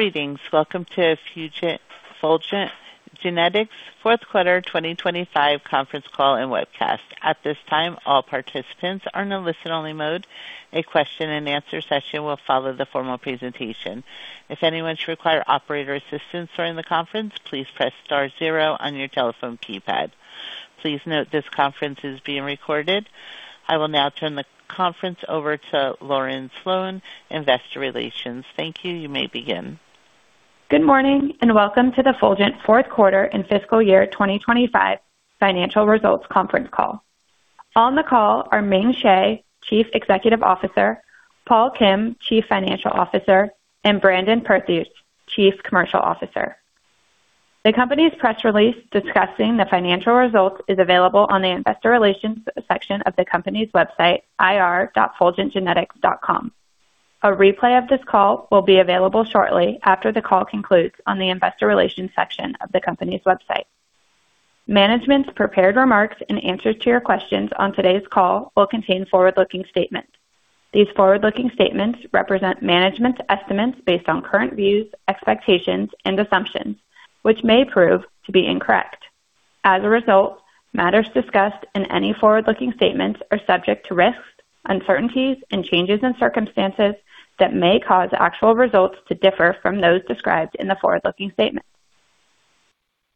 Greetings, welcome to Fulgent Genetics Fourth Quarter 2025 Conference Call and Webcast. At this time, all participants are in a listen-only mode. A question and answer session will follow the formal presentation. If anyone should require operator assistance during the conference, please press star zero on your telephone keypad. Please note this conference is being recorded. I will now turn the conference over to Lauren Sloane, Investor Relations. Thank you. You may begin. Good morning, welcome to the Fulgent Fourth Quarter and Fiscal Year 2025 Financial Results Conference Call. On the call are Ming Hsieh, Chief Executive Officer, Paul Kim, Chief Financial Officer, and Brandon Perthuis, Chief Commercial Officer. The company's press release discussing the financial results is available on the investor relations section of the company's website, ir.fulgentgenetics.com. A replay of this call will be available shortly after the call concludes on the investor relations section of the company's website. Management's prepared remarks and answers to your questions on today's call will contain forward-looking statements. These forward-looking statements represent management's estimates based on current views, expectations, and assumptions, which may prove to be incorrect. As a result, matters discussed in any forward-looking statements are subject to risks, uncertainties, and changes in circumstances that may cause actual results to differ from those described in the forward-looking statements.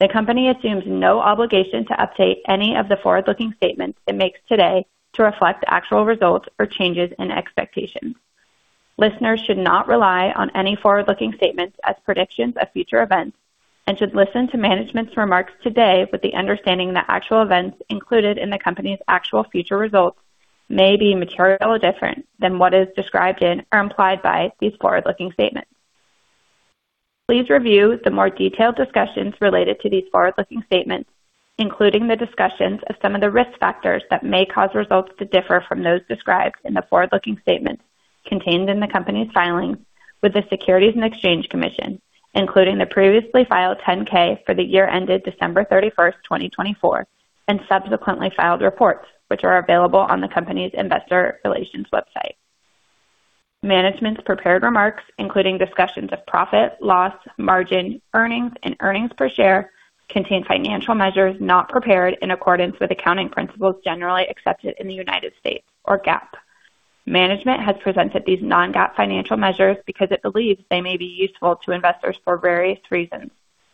The company assumes no obligation to update any of the forward-looking statements it makes today to reflect actual results or changes in expectations. Listeners should not rely on any forward-looking statements as predictions of future events and should listen to management's remarks today with the understanding that actual events included in the company's actual future results may be materially different than what is described in or implied by these forward-looking statements. Please review the more detailed discussions related to these forward-looking statements, including the discussions of some of the risk factors that may cause results to differ from those described in the forward-looking statements contained in the company's filings with the Securities and Exchange Commission, including the previously filed 10-K for the year ended December 31st, 2024, and subsequently filed reports, which are available on the company's investor relations website. Management's prepared remarks, including discussions of profit, loss, margin, earnings, and earnings per share, contain financial measures not prepared in accordance with accounting principles generally accepted in the United States, or GAAP. Management has presented these non-GAAP financial measures because it believes they may be useful to investors for various reasons,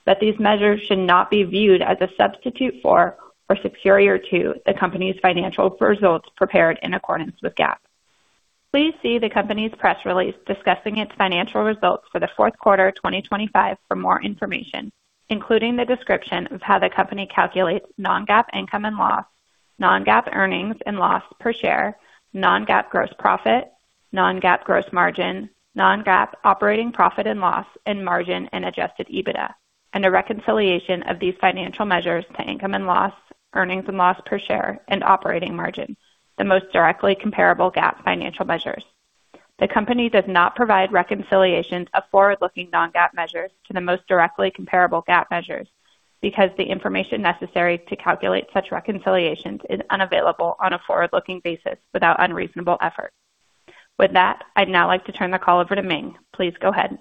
but these measures should not be viewed as a substitute for or superior to the company's financial results prepared in accordance with GAAP. Please see the company's press release discussing its financial results for the fourth quarter of 2025 for more information, including the description of how the company calculates non-GAAP income and loss, non-GAAP earnings and loss per share, non-GAAP gross profit, non-GAAP gross margin, non-GAAP operating profit and loss and margin and adjusted EBITDA, and a reconciliation of these financial measures to income and loss, earnings and loss per share and operating margin, the most directly comparable GAAP financial measures. The company does not provide reconciliations of forward-looking non-GAAP measures to the most directly comparable GAAP measures, because the information necessary to calculate such reconciliations is unavailable on a forward-looking basis without unreasonable effort. With that, I'd now like to turn the call over to Ming. Please go ahead.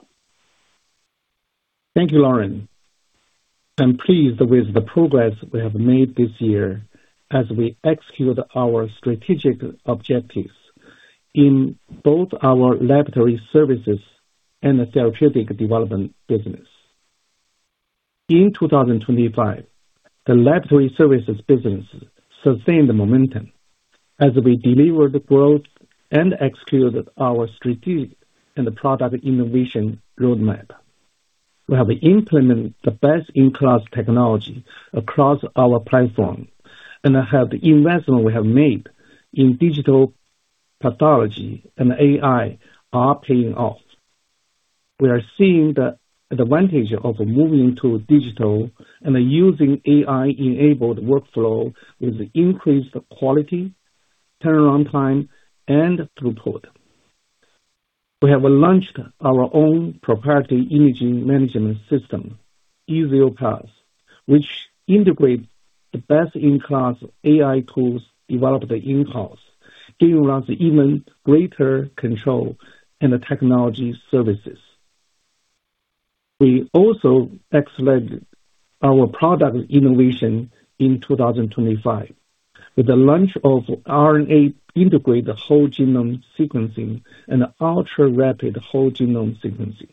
Thank you, Lauren Sloane. I'm pleased with the progress we have made this year as we execute our strategic objectives in both our laboratory services and the therapeutic development business. In 2025, the laboratory services business sustained the momentum as we delivered growth and executed our strategic and product innovation roadmap. We have implemented the best-in-class technology across our platform, and the investment we have made in digital pathology and AI are paying off. We are seeing the advantage of moving to digital and using AI-enabled workflow with increased quality, turnaround time, and throughput. We have launched our own proprietary imaging management system, Eziopath, which integrates the best-in-class AI tools developed in-house, giving us even greater control in the technology services. We also accelerated our product innovation in 2025 with the launch of RNA-integrated whole genome sequencing and ultra-rapid whole genome sequencing.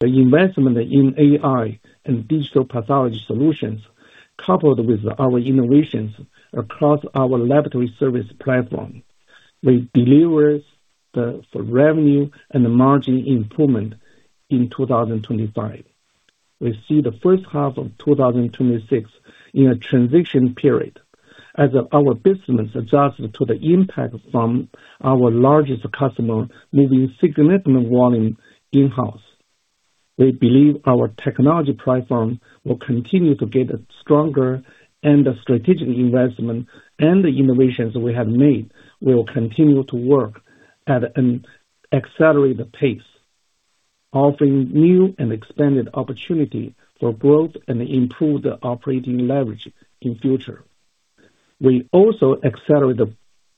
The investment in AI and digital pathology solutions, coupled with our innovations across our laboratory service platform, will deliver the revenue and margin improvement in 2025. We see the first half of 2026 in a transition period as our business adjusts to the impact from our largest customer moving significant volume in-house. We believe our technology platform will continue to get stronger, the strategic investment and the innovations we have made will continue to work at an accelerated pace, offering new and expanded opportunity for growth and improve the operating leverage in future. We also accelerate the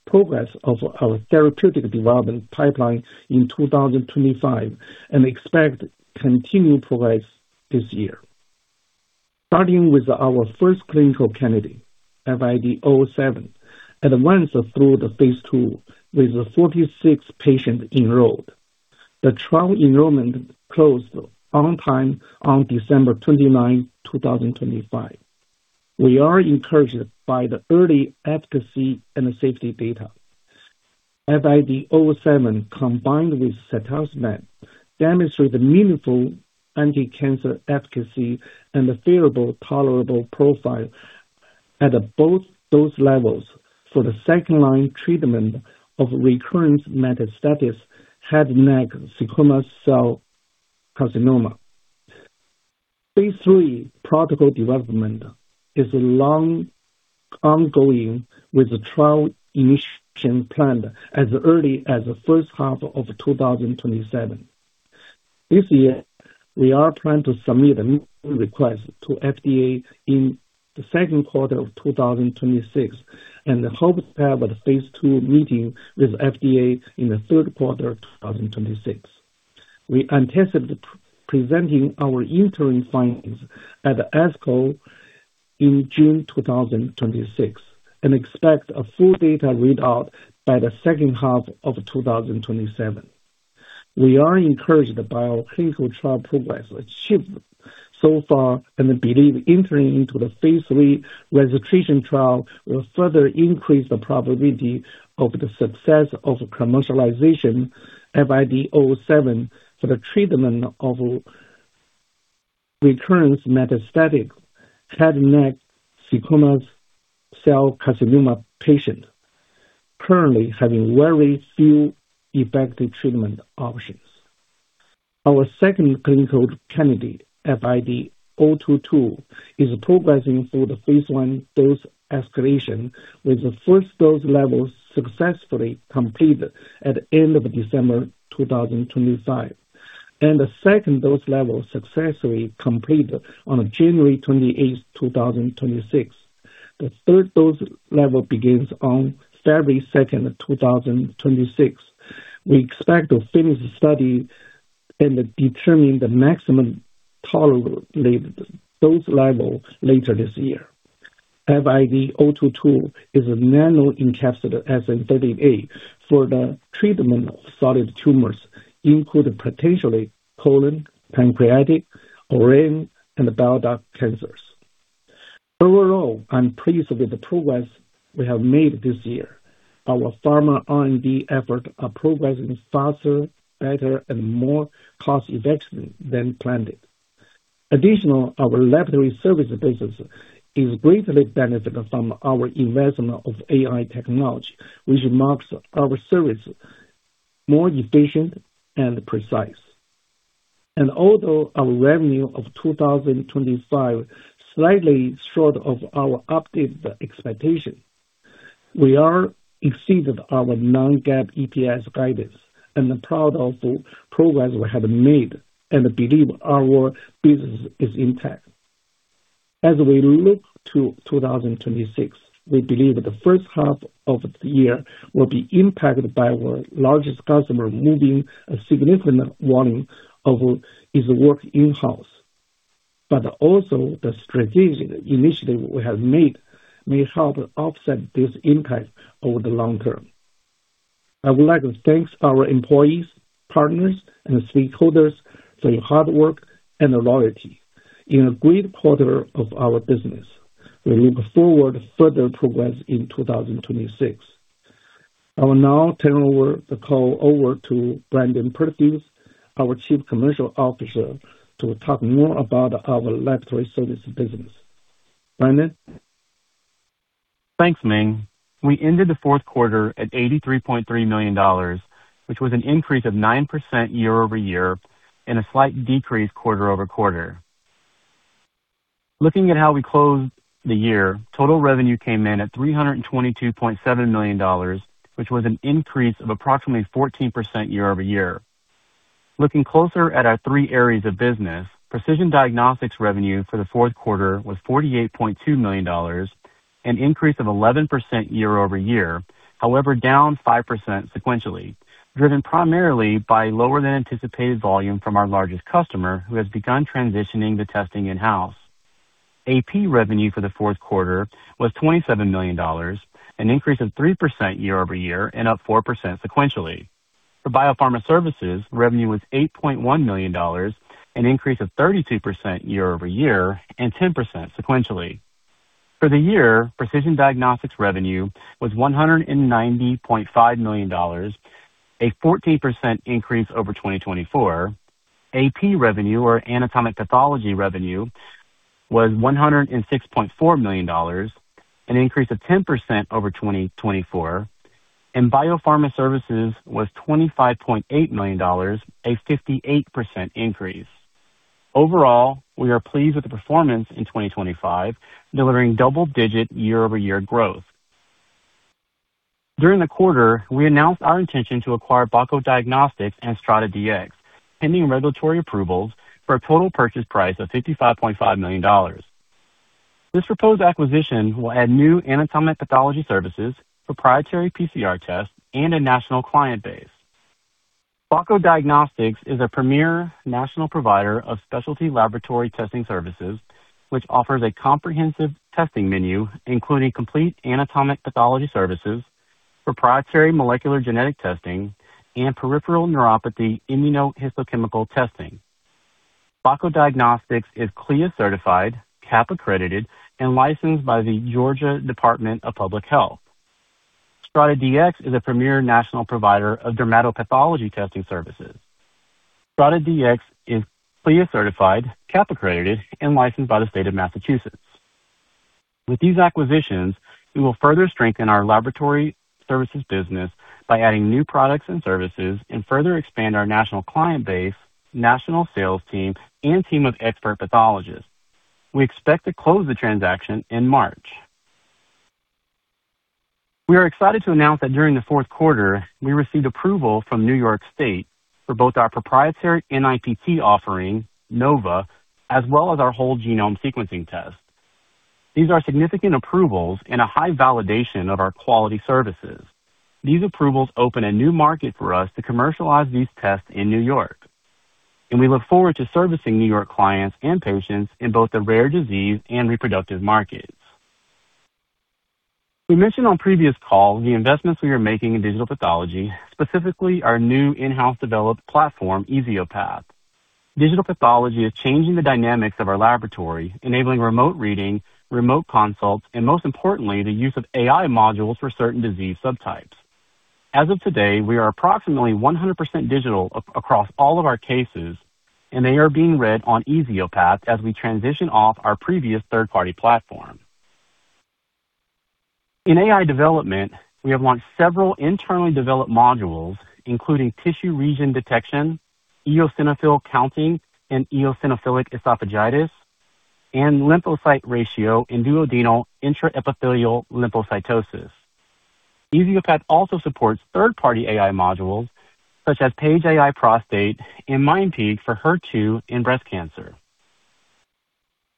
progress of our therapeutic development pipeline in 2025, and expect continued progress this year. Starting with our first clinical candidate, FID-007, at once through the phase II, with 46 patients enrolled. The trial enrollment closed on time on December 29, 2025. We are encouraged by the early efficacy and safety data. FID-007, combined with cetuximab, demonstrated meaningful anticancer efficacy and a favorable tolerable profile at both those levels for the second-line treatment of recurrent metastatic head, neck squamous cell carcinoma. phase III protocol development is long ongoing, with the trial initiation planned as early as the first half of 2027. This year, we are planning to submit a request to FDA in the second quarter of 2026, and hope to have a phase II meeting with FDA in the third quarter of 2026. We anticipate presenting our interim findings at the ASCO in June 2026, and expect a full data readout by the second half of 2027. We are encouraged by our clinical trial progress achieved so far, and believe entering into the phase III registration trial will further increase the probability of the success of commercialization FID-007 for the treatment of recurrent metastatic head, neck squamous cell carcinoma patients currently having very few effective treatment options. Our second clinical candidate, FID-022, is progressing through the phase 1 dose escalation, with the first dose level successfully completed at the end of December 2025, and the second dose level successfully completed on January 28th, 2026. The third dose level begins on February 2nd, 2026. We expect to finish the study and determine the maximum tolerable dose level later this year. FID-022 is a nano-encapsulated SN-38 for the treatment of solid tumors, including potentially colon, pancreatic, ovarian, and bile duct cancers. Overall, I'm pleased with the progress we have made this year. Our pharma R&D efforts are progressing faster, better and more cost effectively than planned. Additionally, our laboratory services business is greatly benefiting from our investment of AI technology, which makes our services more efficient and precise. Although our revenue of 2025 slightly short of our updated expectations, we are exceeded our non-GAAP EPS guidance, and I'm proud of the progress we have made and believe our business is intact. As we look to 2026, we believe the first half of the year will be impacted by our largest customer moving a significant volume of his work in-house. Also the strategic initiatives we have made may help offset this impact over the long term. I would like to thank our employees, partners, and stakeholders for your hard work and loyalty in a great quarter of our business. We look forward to further progress in 2026. I will now turn over the call over to Brandon Perthuis, our Chief Commercial Officer, to talk more about our laboratory services business. Brandon? Thanks, Ming. We ended the fourth quarter at $83.3 million, which was an increase of 9% year-over-year, and a slight decrease quarter-over-quarter. Looking at how we closed the year, total revenue came in at $322.7 million, which was an increase of approximately 14% year-over-year. Looking closer at our three areas of business, precision diagnostics revenue for the fourth quarter was $48.2 million, an increase of 11% year-over-year, however, down 5% sequentially, driven primarily by lower than anticipated volume from our largest customer, who has begun transitioning the testing in-house. AP revenue for the fourth quarter was $27 million, an increase of 3% year-over-year, and up 4% sequentially. For biopharma services, revenue was $8.1 million, an increase of 32% year-over-year and 10% sequentially. For the year, precision diagnostics revenue was $190.5 million, a 14% increase over 2024. AP revenue, or anatomic pathology revenue, was $106.4 million, an increase of 10% over 2024, and biopharma services was $25.8 million, a 58% increase. Overall, we are pleased with the performance in 2025, delivering double-digit year-over-year growth. During the quarter, we announced our intention to acquire Bako Diagnostics and StrataDx, pending regulatory approvals for a total purchase price of $55.5 million. This proposed acquisition will add new anatomic pathology services, proprietary PCR tests, and a national client base. Bako Diagnostics is a premier national provider of specialty laboratory testing services, which offers a comprehensive testing menu, including complete anatomic pathology services, proprietary molecular genetic testing, and peripheral neuropathy immunohistochemical testing. Bako Diagnostics is CLIA certified, CAP accredited, and licensed by the Georgia Department of Public Health. StrataDx is a premier national provider of dermatopathology testing services. StrataDx is CLIA certified, CAP accredited, and licensed by the State of Massachusetts. With these acquisitions, we will further strengthen our laboratory services business by adding new products and services, and further expand our national client base, national sales team, and team of expert pathologists. We expect to close the transaction in March. We are excited to announce that during the fourth quarter, we received approval from New York State for both our proprietary NIPT offering, Nova, as well as our whole genome sequencing test. These are significant approvals and a high validation of our quality services. These approvals open a new market for us to commercialize these tests in New York, and we look forward to servicing New York clients and patients in both the rare disease and reproductive markets. We mentioned on previous calls the investments we are making in digital pathology, specifically our new in-house developed platform, Eziopath. digital pathology is changing the dynamics of our laboratory, enabling remote reading, remote consults, and most importantly, the use of AI modules for certain disease subtypes. As of today, we are approximately 100% digital across all of our cases, and they are being read on Eziopath as we transition off our previous third-party platform. In AI development, we have launched several internally developed modules, including tissue region detection, eosinophil counting, and eosinophilic esophagitis, and lymphocyte ratio in duodenal intraepithelial lymphocytosis. Eziopath also supports third-party AI modules such as Paige Prostate and Mindpeak for HER2 in breast cancer.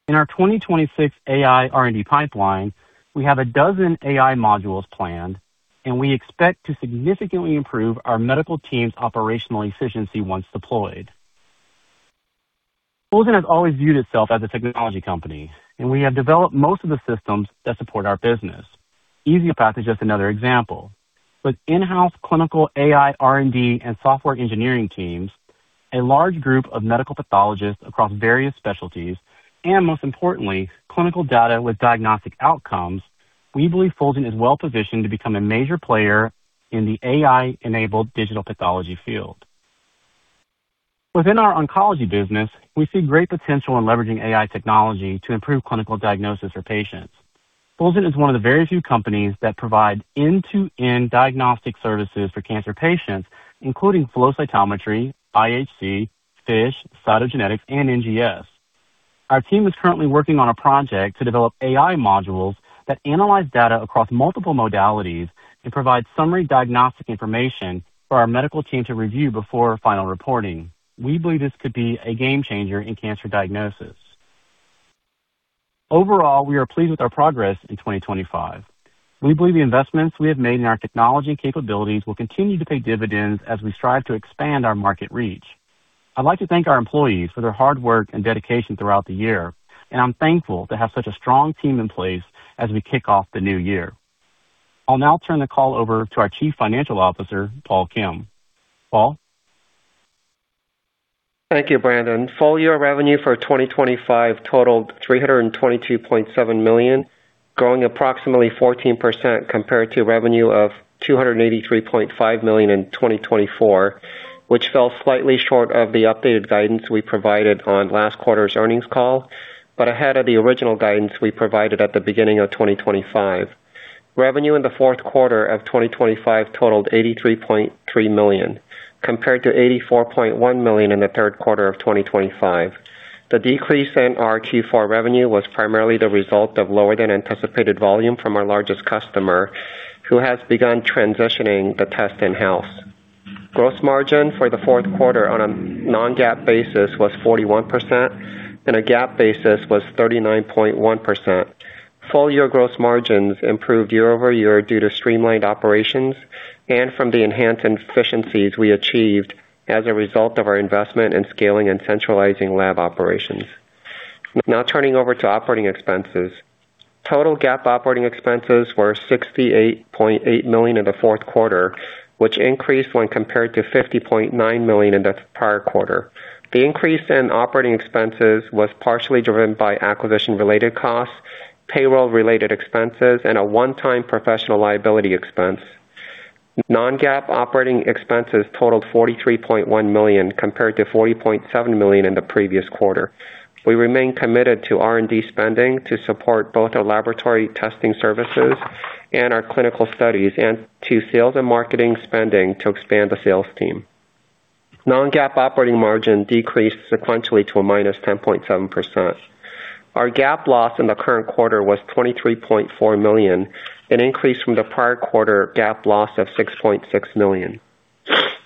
In our 2026 AI R&D pipeline, we have a dozen AI modules planned. We expect to significantly improve our medical team's operational efficiency once deployed. Fulgent has always viewed itself as a technology company. We have developed most of the systems that support our business. Eziopath is just another example. With in-house clinical AI, R&D, and software engineering teams, a large group of medical pathologists across various specialties, and most importantly, clinical data with diagnostic outcomes, we believe Fulgent is well-positioned to become a major player in the AI-enabled digital pathology field. Within our oncology business, we see great potential in leveraging AI technology to improve clinical diagnosis for patients. Fulgent is one of the very few companies that provide end-to-end diagnostic services for cancer patients, including flow cytometry, IHC, FISH, cytogenetics, and NGS. Our team is currently working on a project to develop AI modules that analyze data across multiple modalities and provide summary diagnostic information for our medical team to review before final reporting. We believe this could be a game changer in cancer diagnosis. Overall, we are pleased with our progress in 2025. We believe the investments we have made in our technology and capabilities will continue to pay dividends as we strive to expand our market reach. I'd like to thank our employees for their hard work and dedication throughout the year. I'm thankful to have such a strong team in place as we kick off the new year. I'll now turn the call over to our Chief Financial Officer, Paul Kim. Paul? Thank you, Brandon Perthuis. Full year revenue for 2025 totaled $322.7 million, growing approximately 14% compared to revenue of $283.5 million in 2024, which fell slightly short of the updated guidance we provided on last quarter's earnings call, but ahead of the original guidance we provided at the beginning of 2025. Revenue in the fourth quarter of 2025 totaled $83.3 million, compared to $84.1 million in the third quarter of 2025. The decrease in our Q4 revenue was primarily the result of lower than anticipated volume from our largest customer, who has begun transitioning the test in-house. Gross margin for the fourth quarter on a non-GAAP basis was 41%, and a GAAP basis was 39.1%. Full year gross margins improved year-over-year due to streamlined operations and from the enhanced efficiencies we achieved as a result of our investment in scaling and centralizing lab operations. Turning over to operating expenses. Total GAAP operating expenses were $68.8 million in the fourth quarter, which increased when compared to $50.9 million in the prior quarter. The increase in operating expenses was partially driven by acquisition-related costs, payroll-related expenses, and a one-time professional liability expense. Non-GAAP operating expenses totaled $43.1 million, compared to $40.7 million in the previous quarter. We remain committed to R&D spending to support both our laboratory testing services and our clinical studies, and to sales and marketing spending to expand the sales team. Non-GAAP operating margin decreased sequentially to a -10.7%. Our GAAP loss in the current quarter was $23.4 million, an increase from the prior quarter GAAP loss of $6.6 million.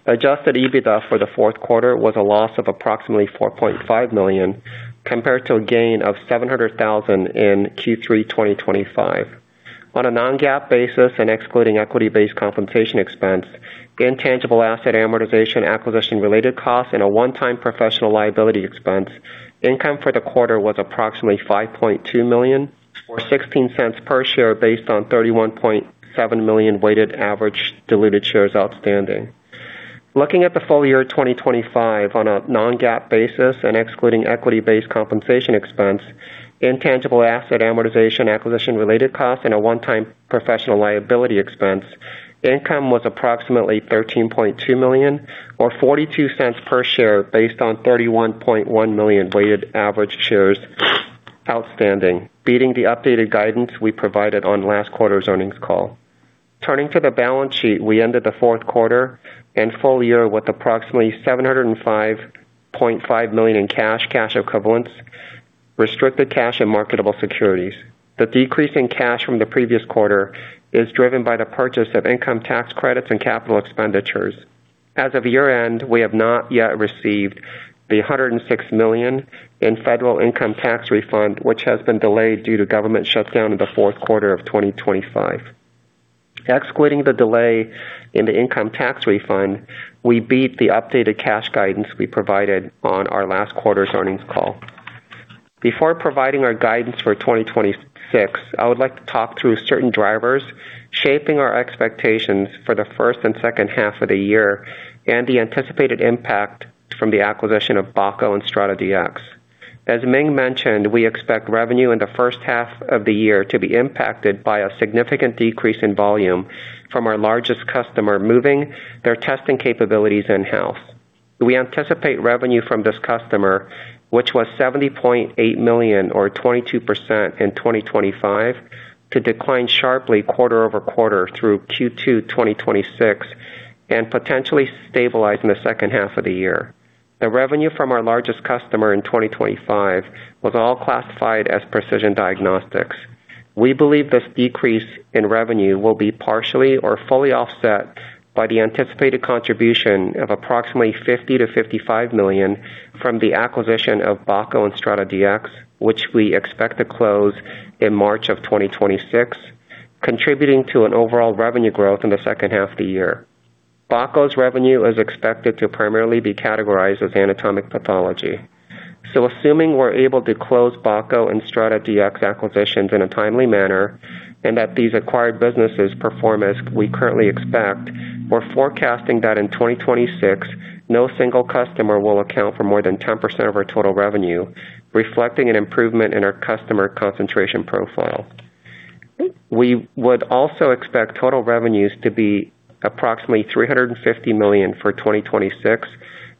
Adjusted EBITDA for the fourth quarter was a loss of approximately $4.5 million, compared to a gain of $700,000 in Q3 2025. On a non-GAAP basis and excluding equity-based compensation expense, intangible asset amortization, acquisition-related costs, and a one-time professional liability expense, income for the quarter was approximately $5.2 million, or $0.16 per share, based on 31.7 million weighted average diluted shares outstanding. Looking at the full year 2025 on a non-GAAP basis and excluding equity-based compensation expense, intangible asset amortization, acquisition-related costs, and a one-time professional liability expense, income was approximately $13.2 million, or $0.42 per share, based on 31.1 million weighted average shares outstanding, beating the updated guidance we provided on last quarter's earnings call. Turning to the balance sheet, we ended the fourth quarter and full year with approximately $705.5 million in cash equivalents, restricted cash, and marketable securities. The decrease in cash from the previous quarter is driven by the purchase of income tax credits and capital expenditures. As of year-end, we have not yet received the $106 million in federal income tax refund, which has been delayed due to government shutdown in the fourth quarter of 2025. Excluding the delay in the income tax refund, we beat the updated cash guidance we provided on our last quarter's earnings call. Before providing our guidance for 2026, I would like to talk through certain drivers shaping our expectations for the first and second half of the year and the anticipated impact from the acquisition of Bako and StrataDx. As Ming mentioned, we expect revenue in the first half of the year to be impacted by a significant decrease in volume from our largest customer moving their testing capabilities in-house. We anticipate revenue from this customer, which was $70.8 million, or 22% in 2025, to decline sharply quarter-over-quarter through Q2 2026 and potentially stabilize in the second half of the year. The revenue from our largest customer in 2025 was all classified as precision diagnostics. We believe this decrease in revenue will be partially or fully offset by the anticipated contribution of approximately $50 million-$55 million from the acquisition of Bako and StrataDx, which we expect to close in March of 2026, contributing to an overall revenue growth in the second half of the year. Bako's revenue is expected to primarily be categorized as anatomic pathology. Assuming we're able to close Bako and StrataDx acquisitions in a timely manner and that these acquired businesses perform as we currently expect, we're forecasting that in 2026, no single customer will account for more than 10% of our total revenue, reflecting an improvement in our customer concentration profile. We would also expect total revenues to be approximately $350 million for 2026,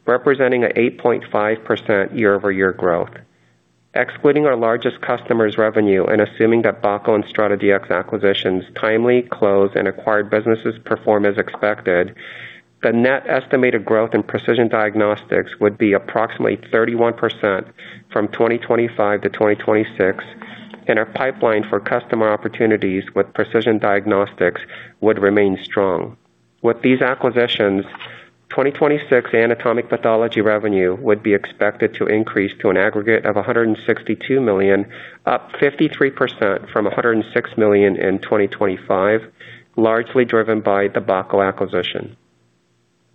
representing an 8.5% year-over-year growth. Excluding our largest customer's revenue and assuming that Bako and StrataDx acquisitions timely close and acquired businesses perform as expected, the net estimated growth in precision diagnostics would be approximately 31% from 2025-2026. Our pipeline for customer opportunities with precision diagnostics would remain strong. With these acquisitions, 2026 anatomic pathology revenue would be expected to increase to an aggregate of $162 million, up 53% from $106 million in 2025, largely driven by the Bako acquisition.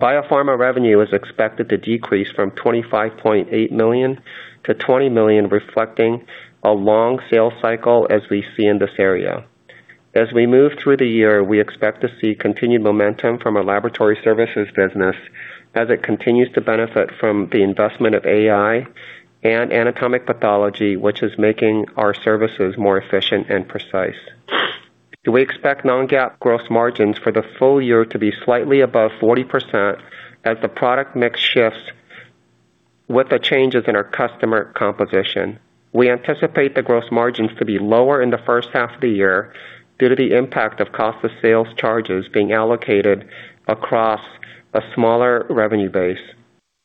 Biopharma revenue is expected to decrease from $25.8 million to $20 million, reflecting a long sales cycle as we see in this area. As we move through the year, we expect to see continued momentum from our laboratory services business as it continues to benefit from the investment of AI and anatomic pathology, which is making our services more efficient and precise. We expect non-GAAP growth margins for the full year to be slightly above 40% as the product mix shifts with the changes in our customer composition. We anticipate the gross margins to be lower in the first half of the year due to the impact of cost of sales charges being allocated across a smaller revenue base.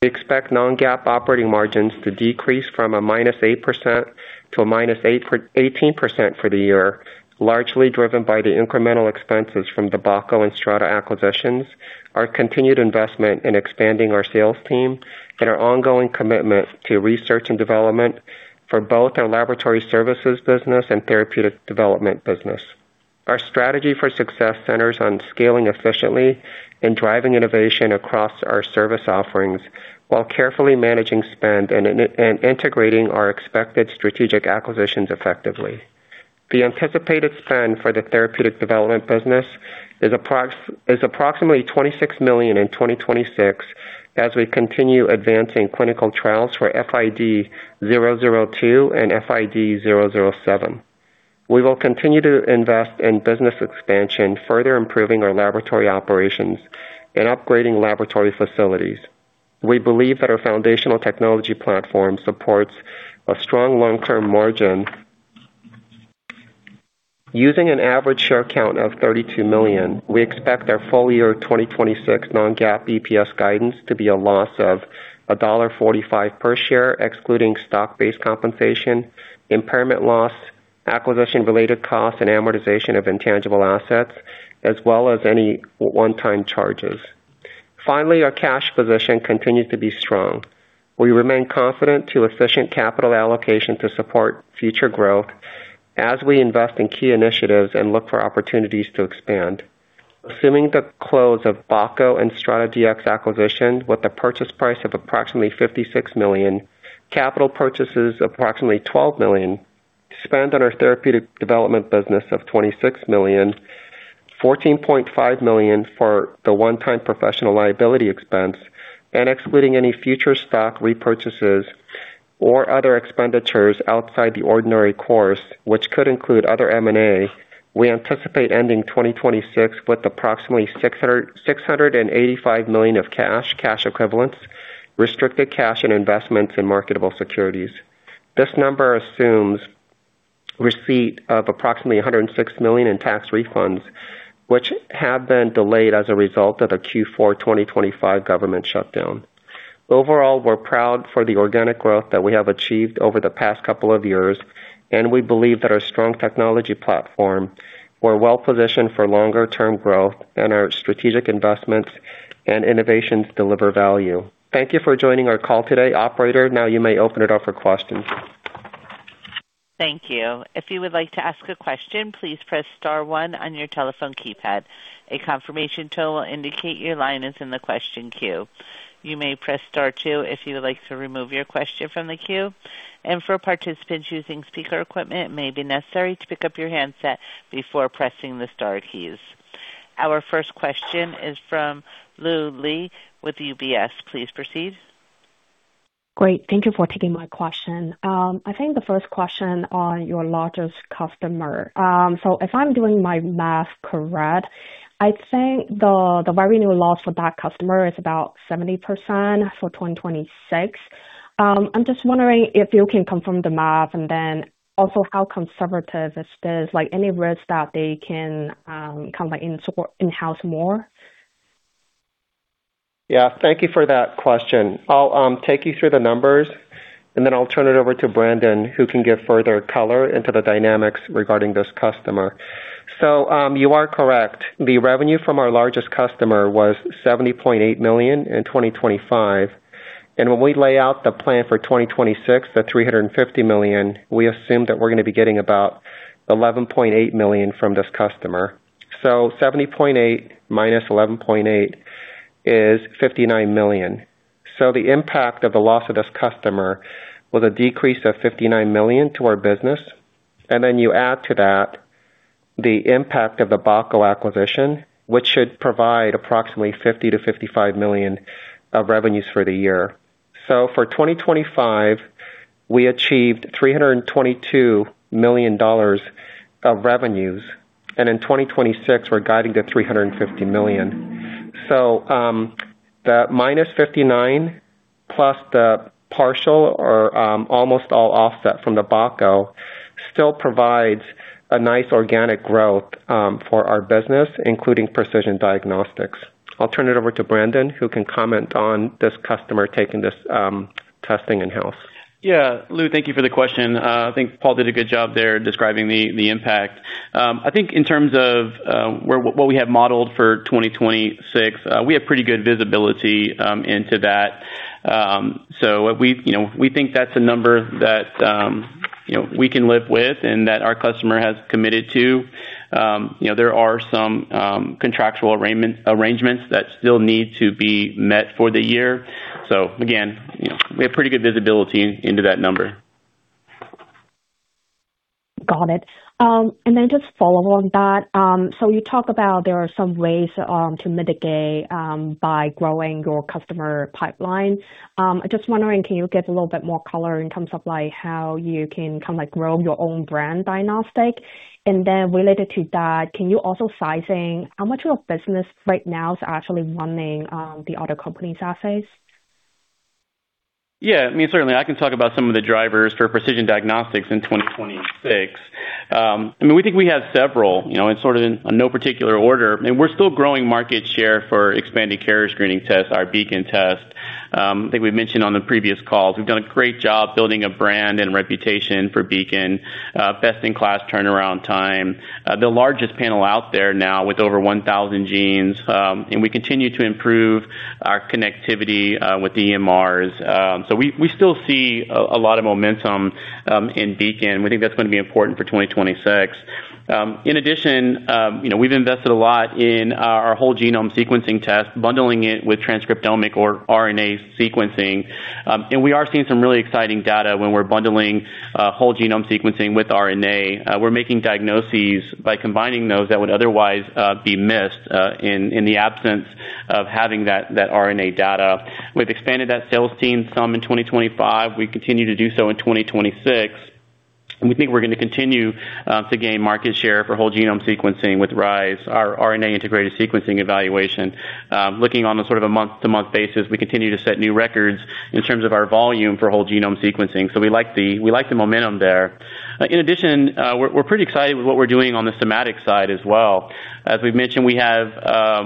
We expect non-GAAP operating margins to decrease from a -8% to a -18% for the year, largely driven by the incremental expenses from the Bako and StrataDx acquisitions, our continued investment in expanding our sales team, and our ongoing commitment to research and development for both our laboratory services business and therapeutic development business. Our strategy for success centers on scaling efficiently and driving innovation across our service offerings, while carefully managing spend and integrating our expected strategic acquisitions effectively. The anticipated spend for the therapeutic development business is approximately $26 million in 2026 as we continue advancing clinical trials for FID-002 and FID-007. We will continue to invest in business expansion, further improving our laboratory operations and upgrading laboratory facilities. We believe that our foundational technology platform supports a strong long-term margin. Using an average share count of 32 million, we expect our full year 2026 non-GAAP EPS guidance to be a loss of $1.45 per share, excluding stock-based compensation, impairment loss, acquisition related costs, and amortization of intangible assets, as well as any one-time charges. Our cash position continues to be strong. We remain confident to efficient capital allocation to support future growth as we invest in key initiatives and look for opportunities to expand. Assuming the close of Bako Diagnostics and StrataDx acquisition, with a purchase price of approximately $56 million, capital purchases approximately $12 million, spend on our therapeutic development business of $26 million, $14.5 million for the one-time professional liability expense, and excluding any future stock repurchases or other expenditures outside the ordinary course, which could include other M&A, we anticipate ending 2026 with approximately $685 million of cash equivalents, restricted cash and investments in marketable securities. This number assumes receipt of approximately $106 million in tax refunds, which have been delayed as a result of the Q4 2025 government shutdown. Overall, we're proud for the organic growth that we have achieved over the past couple of years, and we believe that our strong technology platform, we're well positioned for longer term growth and our strategic investments and innovations deliver value. Thank you for joining our call today. Operator, now you may open it up for questions. Thank you. If you would like to ask a question, please press star one on your telephone keypad. A confirmation tone will indicate your line is in the question queue. You may press star two if you would like to remove your question from the queue. For participants using speaker equipment, it may be necessary to pick up your handset before pressing the star keys. Our first question is from Lu Li with UBS. Please proceed. Great. Thank you for taking my question. I think the first question on your largest customer. If I'm doing my math correct, I think the revenue loss for that customer is about 70% for 2026. I'm just wondering if you can confirm the math and then also how conservative is this, like any risks that they can, kind of like, in-house more? Yeah, thank you for that question. I'll take you through the numbers, and then I'll turn it over to Brandon, who can give further color into the dynamics regarding this customer. You are correct. The revenue from our largest customer was $70.8 million in 2025, and when we lay out the plan for 2026, the $350 million, we assume that we're going to be getting about $11.8 million from this customer. $70.8 million minus $11.8 million is $59 million. The impact of the loss of this customer was a decrease of $59 million to our business, and then you add to that the impact of the Bako acquisition, which should provide approximately $50 million-$55 million of revenues for the year. For 2025, we achieved $322 million of revenues, and in 2026, we're guiding to $350 million. The -$59 million plus the partial or almost all offset from the Bako, still provides a nice organic growth for our business, including precision diagnostics. I'll turn it over to Brandon, who can comment on this customer taking this testing in-house. Yeah. Lu, thank you for the question. I think Paul did a good job there describing the impact. I think in terms of where what we have modeled for 2026, we have pretty good visibility into that. What we, you know, we think that's a number that, you know, we can live with and that our customer has committed to. You know, there are some contractual arrangements that still need to be met for the year. Again, you know, we have pretty good visibility into that number. Got it. Just follow on that. You talk about there are some ways to mitigate by growing your customer pipeline. I'm just wondering, can you give a little bit more color in terms of like how you can kind of like grow your own brand diagnostic? Related to that, can you also sizing how much of your business right now is actually running the other company's assays? Yeah, I mean, certainly I can talk about some of the drivers for precision diagnostics in 2026. I mean, we think we have several, you know, in sort of in no particular order. We're still growing market share for expanded carrier screening tests, our Beacon test. I think we've mentioned on the previous calls, we've done a great job building a brand and reputation for Beacon, best-in-class turnaround time. The largest panel out there now with over 1,000 genes, and we continue to improve our connectivity with EMRs. We, we still see a lot of momentum in Beacon. We think that's going to be important for 2026. In addition, you know, we've invested a lot in our whole genome sequencing test, bundling it with transcriptomic or RNA sequencing. We are seeing some really exciting data when we're bundling whole genome sequencing with RNA. We're making diagnoses by combining those that would otherwise be missed in the absence of having that RNA data. We've expanded that sales team some in 2025. We continue to do so in 2026. We think we're going to continue to gain market share for whole genome sequencing with RISE, our RNA-Integrated Sequence Evaluation. Looking on a sort of a month-to-month basis, we continue to set new records in terms of our volume for whole genome sequencing, so we like the momentum there. In addition, we're pretty excited with what we're doing on the somatic side as well. As we've mentioned, we have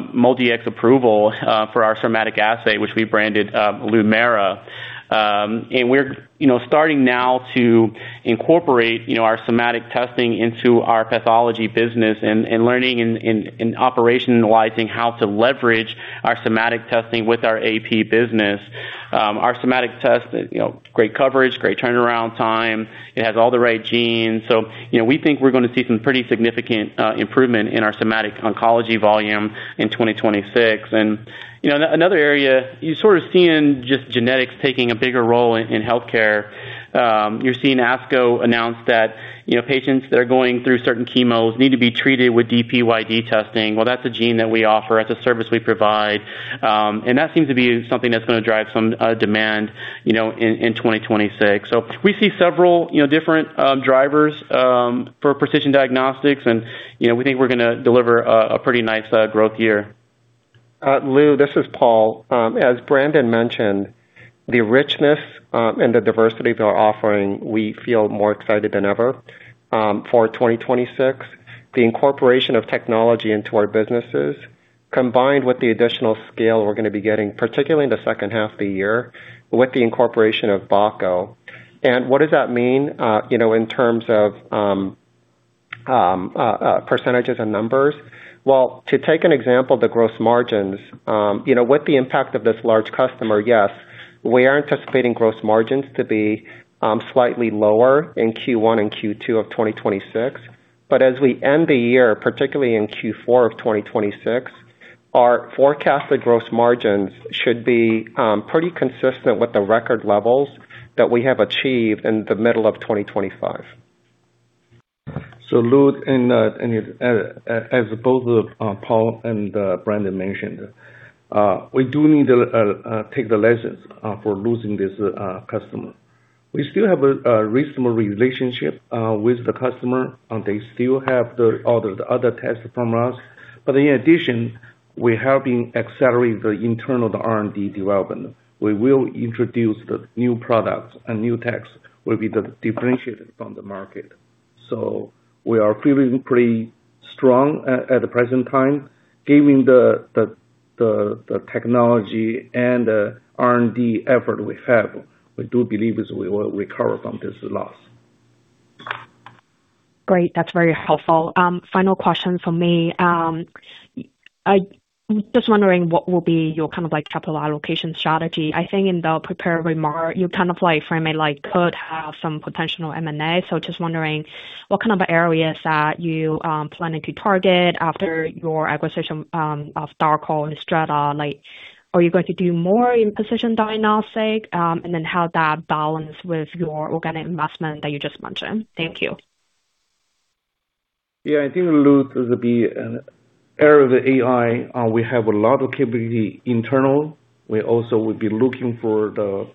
MolDX approval for our somatic assay, which we branded Lumera. We're, you know, starting now to incorporate, you know, our somatic testing into our pathology business and learning and, and operationalizing how to leverage our somatic testing with our AP business. Our somatic test, you know, great coverage, great turnaround time. It has all the right genes. You know, we think we're gonna see some pretty significant improvement in our somatic oncology volume in 2026. You know, another area, you're sort of seeing just genetics taking a bigger role in healthcare. You're seeing ASCO announce that, you know, patients that are going through certain chemos need to be treated with DPYD testing. That's a gene that we offer, that's a service we provide. That seems to be something that's going to drive some demand, you know, in 2026. We see several, you know, different drivers for precision diagnostics. You know, we think we're gonna deliver a pretty nice growth year. Lu, this is Paul. As Brandon mentioned, the richness and the diversity of our offering, we feel more excited than ever for 2026. The incorporation of technology into our businesses, combined with the additional scale we're going to be getting, particularly in the second half of the year, with the incorporation of Bako. What does that mean, you know, in terms of percentages and numbers? Well, to take an example, the gross margins, you know, with the impact of this large customer, yes, we are anticipating gross margins to be slightly lower in Q1 and Q2 of 2026. As we end the year, particularly in Q4 of 2026, our forecasted gross margins should be pretty consistent with the record levels that we have achieved in the middle of 2025. Lu, as both Paul and Brandon mentioned, we do need to take the lessons for losing this customer. We still have a reasonable relationship with the customer, and they still have the other tests from us. In addition, we have been accelerating the internal R&D development. We will introduce the new products, and new tests will be the differentiated from the market. We are feeling pretty strong at the present time. Given the technology and the R&D effort we have, we do believe we will recover from this loss. Great. That's very helpful. Final question from me. Just wondering what will be your kind of, like, capital allocation strategy? I think in the prepared remark, you kind of, like, frame it like could have some potential M&A. Just wondering what kind of areas that you planning to target after your acquisition of Bako and StrataDx. Like, are you going to do more in precision diagnostic? How that balance with your organic investment that you just mentioned. Thank you. Yeah, I think, Lou, the area of AI, we have a lot of capability internal. We also will be looking for the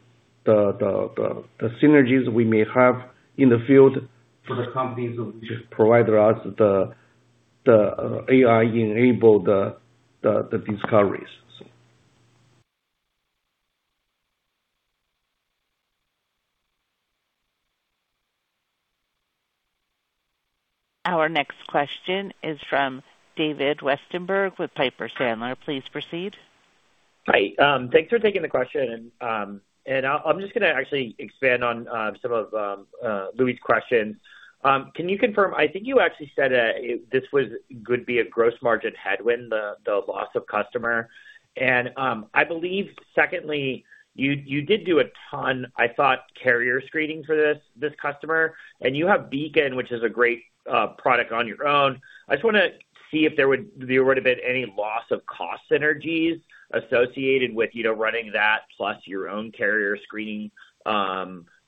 synergies we may have in the field for the companies which provide us the AI-enabled the discoveries. Our next question is from David Westenberg with Piper Sandler. Please proceed. Hi, thanks for taking the question. I'm just going to actually expand on some of Lu Li's questions. Can you confirm... I think you actually said that this was, would be a gross margin headwind, the loss of customer. I believe, secondly, you did do a ton, I thought, carrier screening for this customer, and you have Beacon, which is a great product on your own. I just want to see if there would have been any loss of cost synergies associated with, you know, running that plus your own carrier screening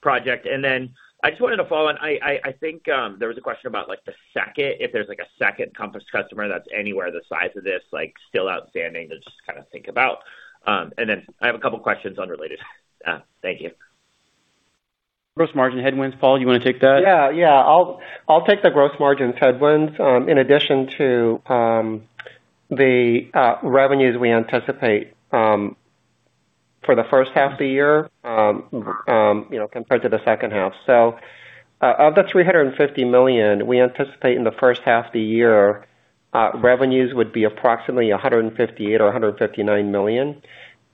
project. Then I just wanted to follow on, I think, there was a question about like the second, if there's like a second [Compass] customer that's anywhere the size of this, like, still outstanding to just kind of think about. Then I have a couple questions unrelated. Thank you. Gross margin headwinds, Paul, you want to take that? Yeah, yeah. I'll take the gross margin headwinds, in addition to the revenues we anticipate for the first half of the year, you know, compared to the second half. Of the $350 million, we anticipate in the first half of the year, revenues would be approximately $158 million or $159 million.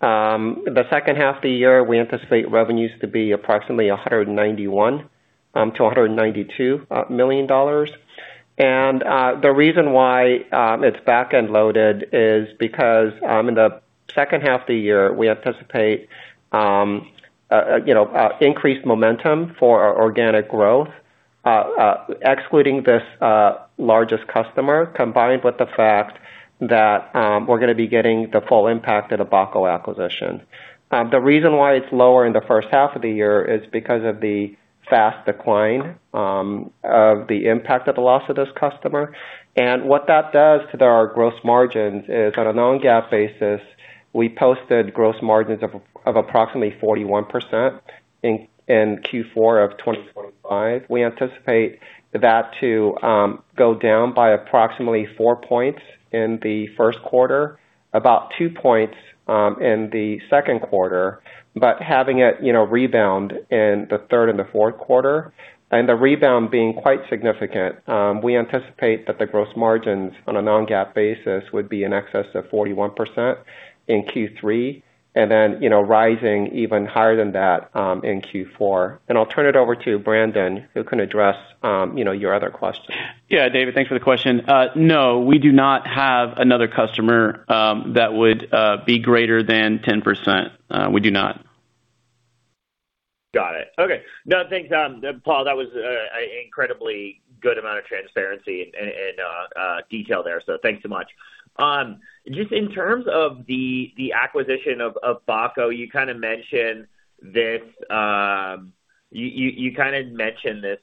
The second half of the year, we anticipate revenues to be approximately $191 million-$192 million. The reason why it's back-end loaded is because in the second half of the year, we anticipate, you know, increased momentum for our organic growth.... excluding this largest customer, combined with the fact that we're gonna be getting the full impact of the Bako acquisition. The reason why it's lower in the first half of the year is because of the fast decline of the impact of the loss of this customer. What that does to our gross margins is, on a non-GAAP basis, we posted gross margins of approximately 41% in Q4 of 2025. We anticipate that to go down by approximately 4 points in the first quarter, about 2 points in the second quarter, but having it, you know, rebound in the third and the fourth quarter, and the rebound being quite significant. We anticipate that the gross margins on a non-GAAP basis would be in excess of 41% in Q3, and then, you know, rising even higher than that in Q4. I'll turn it over to Brandon, who can address, you know, your other questions. David, thanks for the question. No, we do not have another customer, that would be greater than 10%. We do not. Got it. Okay. No, thanks, Paul, that was a incredibly good amount of transparency and detail there, so thanks so much. Just in terms of the acquisition of Bako, you kind of mentioned this, you kind of mentioned this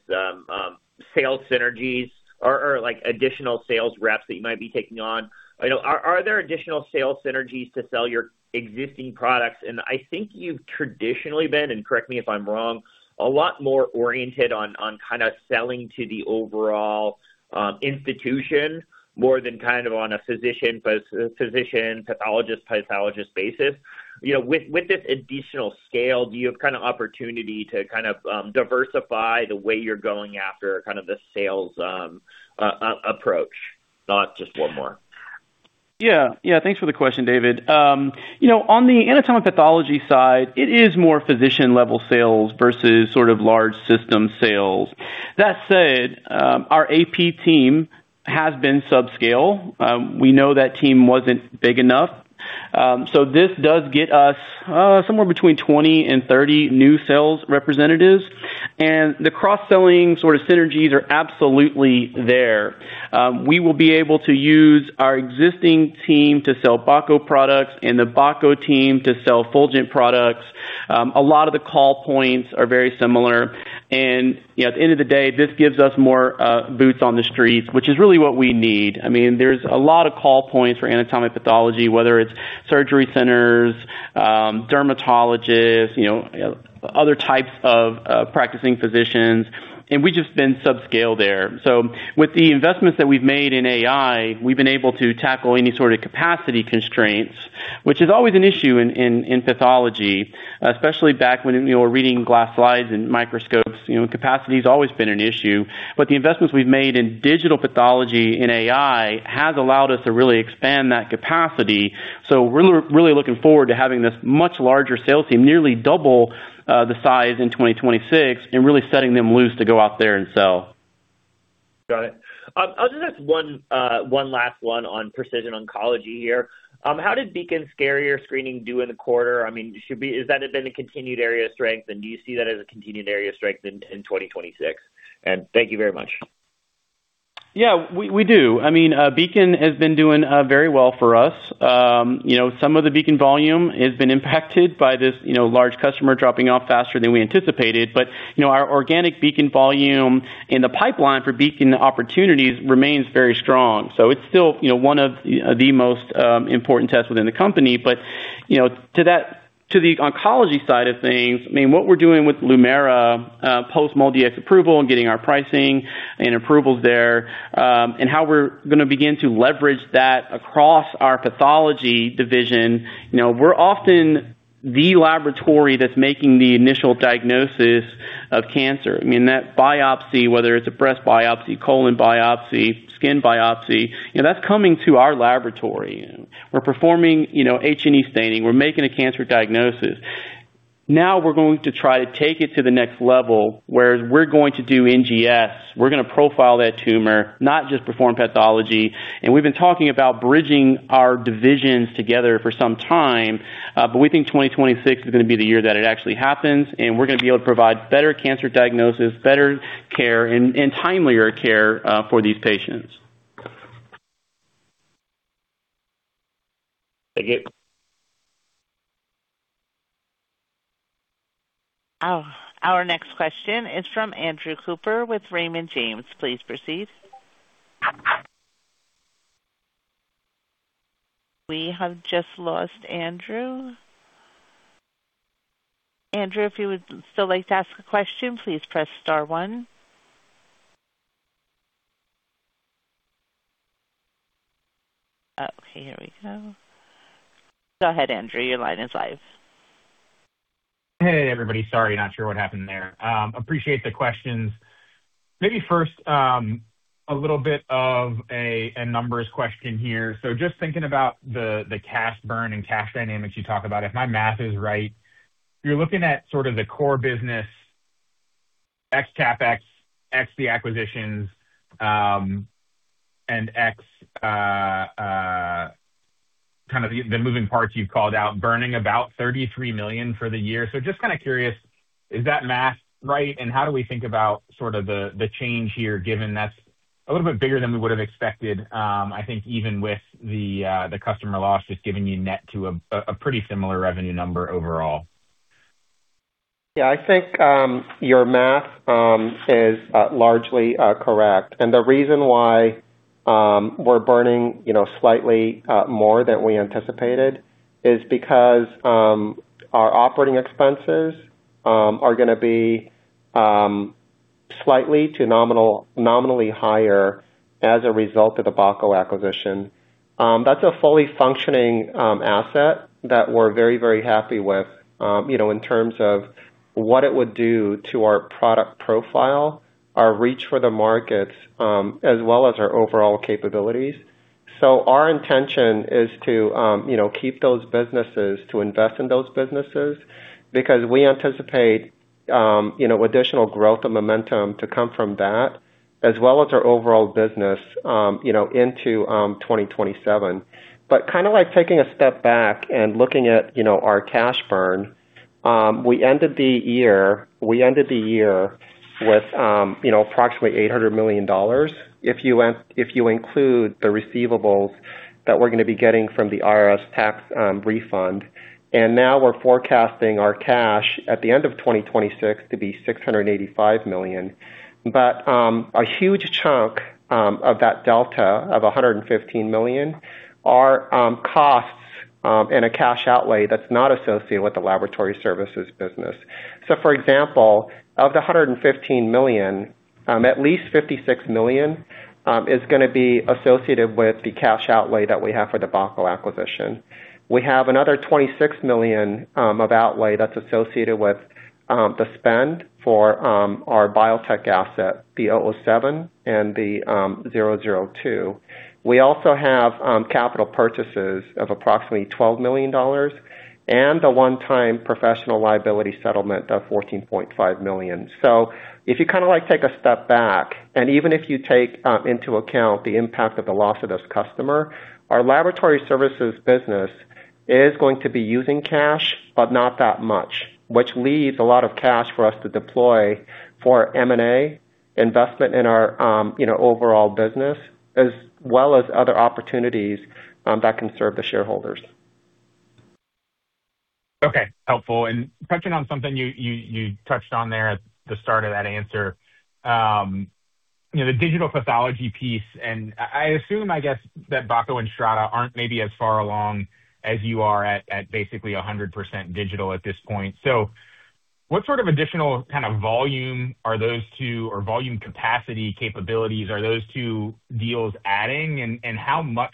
sales synergies or like additional sales reps that you might be taking on. You know, are there additional sales synergies to sell your existing products? I think you've traditionally been, and correct me if I'm wrong, a lot more oriented on kind of selling to the overall institution more than kind of on a physician, pathologist basis. You know, with this additional scale, do you have kind of opportunity to kind of diversify the way you're going after kind of the sales approach? Not just one more. Yeah. Yeah, thanks for the question, David. You know, on the anatomic pathology side, it is more physician-level sales versus sort of large system sales. That said, our AP team has been subscale. We know that team wasn't big enough. So this does get us somewhere between 20 and 30 new sales representatives, and the cross-selling sort of synergies are absolutely there. We will be able to use our existing team to sell Bako products and the Bako team to sell Fulgent products. A lot of the call points are very similar. You know, at the end of the day, this gives us more boots on the streets, which is really what we need. I mean, there's a lot of call points for anatomic pathology, whether it's surgery centers, dermatologists, you know, other types of practicing physicians, and we've just been subscale there. With the investments that we've made in AI, we've been able to tackle any sort of capacity constraints, which is always an issue in pathology, especially back when, you know, reading glass slides and microscopes, you know, capacity's always been an issue. The investments we've made in digital pathology and AI has allowed us to really expand that capacity. We're really looking forward to having this much larger sales team, nearly double the size in 2026, and really setting them loose to go out there and sell. Got it. I'll just ask one last one on precision oncology here. How did Beacon carrier screening do in the quarter? I mean, Has that been a continued area of strength, and do you see that as a continued area of strength in 2026? Thank you very much. Yeah, we do. I mean, Beacon has been doing very well for us. You know, some of the Beacon volume has been impacted by this, you know, large customer dropping off faster than we anticipated. You know, our organic Beacon volume and the pipeline for Beacon opportunities remains very strong. It's still, you know, one of the most important tests within the company. You know, to that, to the oncology side of things, I mean, what we're doing with Lumera, post MolDX approval and getting our pricing and approvals there, and how we're gonna begin to leverage that across our pathology division, you know, we're often the laboratory that's making the initial diagnosis of cancer. I mean, that biopsy, whether it's a breast biopsy, colon biopsy, skin biopsy, you know, that's coming to our laboratory. We're performing, you know, H&E staining. We're making a cancer diagnosis. Now we're going to try to take it to the next level, where we're going to do NGS. We're gonna profile that tumor, not just perform pathology. We've been talking about bridging our divisions together for some time, but we think 2026 is gonna be the year that it actually happens, and we're gonna be able to provide better cancer diagnosis, better care, and timelier care, for these patients. Thank you. Our next question is from Andrew Cooper with Raymond James. Please proceed. We have just lost Andrew. Andrew, if you would still like to ask a question, please press star one. Here we go. Go ahead, Andrew. Your line is live. Hey, everybody. Sorry, not sure what happened there. Appreciate the questions. Maybe first, a little bit of a numbers question here. Just thinking about the cash burn and cash dynamics you talk about, if my math is right, you're looking at sort of the core business X CapEx, X the acquisitions, and X kind of the moving parts you've called out, burning about $33 million for the year. Just kind of curious, is that math right? How do we think about sort of the change here, given that's a little bit bigger than we would have expected, I think even with the customer loss, just giving you net to a pretty similar revenue number overall? Yeah, I think your math is largely correct. The reason why we're burning, you know, slightly more than we anticipated is because our operating expenses are gonna be nominally higher as a result of the Bako acquisition. That's a fully functioning asset that we're very, very happy with, you know, in terms of what it would do to our product profile, our reach for the markets, as well as our overall capabilities. Our intention is to, you know, keep those businesses, to invest in those businesses, because we anticipate, you know, additional growth and momentum to come from that, as well as our overall business, you know, into 2027. Kind of like taking a step back and looking at, you know, our cash burn, we ended the year with, you know, approximately $800 million. If you include the receivables that we're gonna be getting from the IRS tax refund, and now we're forecasting our cash at the end of 2026 to be $685 million. A huge chunk of that delta of $115 million are costs and a cash outlay that's not associated with the laboratory services business. For example, of the $115 million, at least $56 million is gonna be associated with the cash outlay that we have for the Bako acquisition. We have another $26 million of outlay that's associated with the spend for our biotech asset, the FID-007 and the FID-002. We also have capital purchases of approximately $12 million and a one-time professional liability settlement of $14.5 million. If you kind of like take a step back, and even if you take into account the impact of the loss of this customer, our laboratory services business is going to be using cash, but not that much, which leaves a lot of cash for us to deploy for M&A, investment in our, you know, overall business, as well as other opportunities that can serve the shareholders. Okay. Helpful. Touching on something you touched on there at the start of that answer. You know, the digital pathology piece, and I assume, I guess, that Bako and StrataDx aren't maybe as far along as you are at basically 100% digital at this point. What sort of additional kind of volume are those two, or volume capacity capabilities, are those two deals adding? How much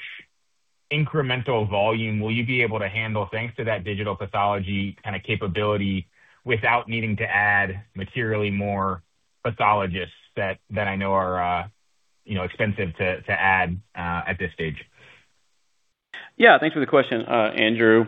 incremental volume will you be able to handle thanks to that digital pathology kind of capability, without needing to add materially more pathologists that I know are, you know, expensive to add at this stage? Thanks for the question, Andrew.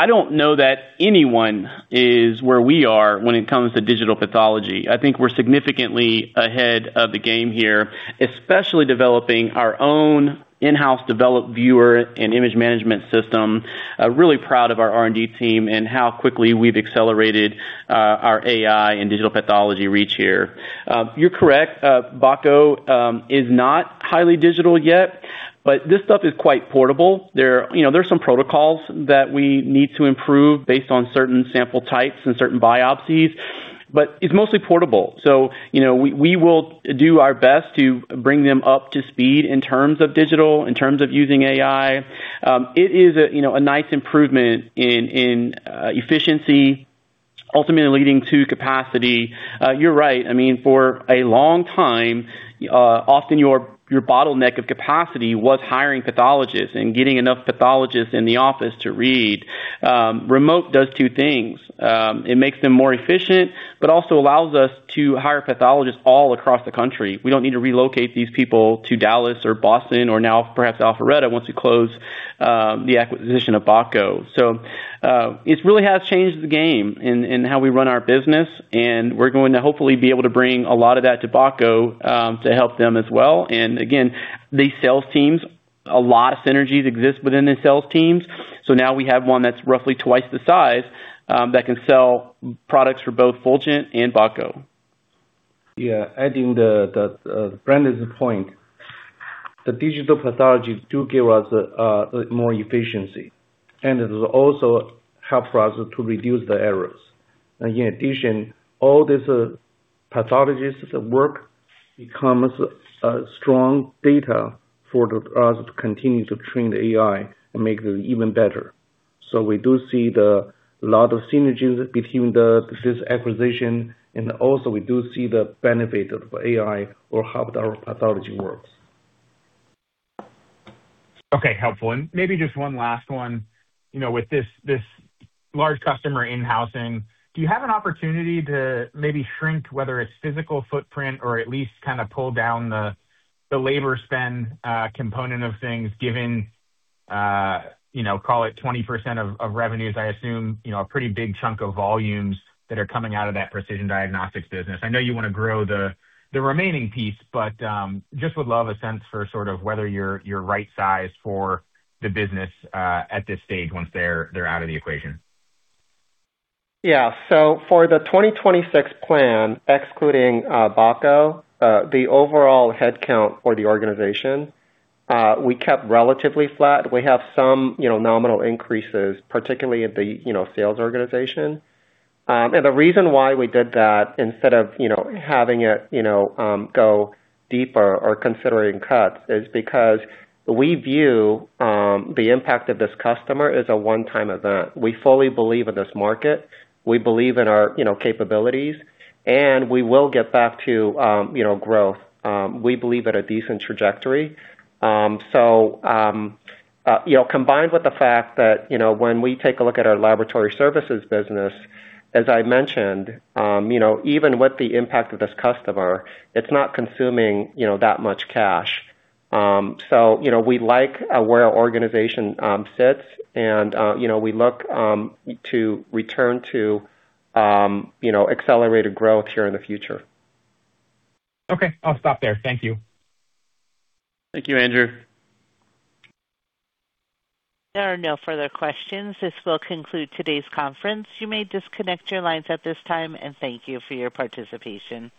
I don't know that anyone is where we are when it comes to digital pathology. I think we're significantly ahead of the game here, especially developing our own in-house developed viewer and image management system. I'm really proud of our R&D team and how quickly we've accelerated our AI and digital pathology reach here. You're correct, Bako is not highly digital yet, but this stuff is quite portable. There are, you know, there are some protocols that we need to improve based on certain sample types and certain biopsies, but it's mostly portable. You know, we will do our best to bring them up to speed in terms of digital, in terms of using AI. It is a, you know, a nice improvement in efficiency, ultimately leading to capacity. You're right. I mean, for a long time, often your bottleneck of capacity was hiring pathologists and getting enough pathologists in the office to read. Remote does two things: it makes them more efficient, also allows us to hire pathologists all across the country. We don't need to relocate these people to Dallas or Boston or now perhaps Alpharetta, once we close the acquisition of Bako. It really has changed the game in how we run our business, we're going to hopefully be able to bring a lot of that to Bako to help them as well. Again, these sales teams, a lot of synergies exist within the sales teams. Now we have one that's roughly twice the size that can sell products for both Fulgent and Bako. Yeah, adding the Brandon's point. The digital pathology do give us more efficiency, and it will also help us to reduce the errors. In addition, all these pathologists that work becomes strong data for us to continue to train the AI and make it even better. We do see the lot of synergies between this acquisition, and also we do see the benefit of AI or how our pathology works. Okay. Helpful. Maybe just one last one. You know, with this large customer in-housing, do you have an opportunity to maybe shrink, whether it's physical footprint or at least kind of pull down the labor spend component of things, given, you know, call it 20% of revenues, I assume, you know, a pretty big chunk of volumes that are coming out of that precision diagnostics business? I know you want to grow the remaining piece, just would love a sense for sort of whether you're right size for the business at this stage once they're out of the equation. So for the 2026 plan, excluding Bako, the overall headcount for the organization, we kept relatively flat. We have some, you know, nominal increases, particularly at the, you know, sales organization. The reason why we did that instead of, you know, having it, you know, go deeper or considering cuts, is because we view the impact of this customer as a one-time event. We fully believe in this market, we believe in our, you know, capabilities, and we will get back to, you know, growth, we believe at a decent trajectory. Combined with the fact that, you know, when we take a look at our laboratory services business, as I mentioned, you know, even with the impact of this customer, it's not consuming, you know, that much cash. You know, we like where our organization sits and, you know, we look to return to, you know, accelerated growth here in the future. Okay. I'll stop there. Thank you. Thank you, Andrew. There are no further questions. This will conclude today's conference. You may disconnect your lines at this time, and thank you for your participation.